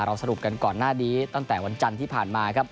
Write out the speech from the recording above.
สรุปกันก่อนหน้านี้ตั้งแต่วันจันทร์ที่ผ่านมาครับ